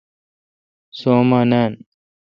سو اوماں نان